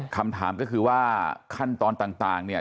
คำถามก็คือว่าขั้นตอนต่างเนี่ย